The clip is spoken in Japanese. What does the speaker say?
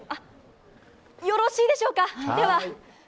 よろしいでしょうか、では。